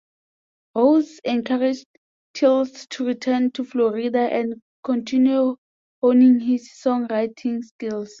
Rose encouraged Tillis to return to Florida and continue honing his songwriting skills.